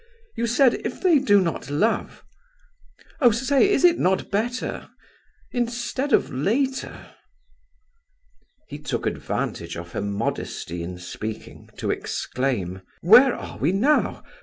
You said, if they do not love ... Oh! say, is it not better instead of later?" He took advantage of her modesty in speaking to exclaim. "Where are we now?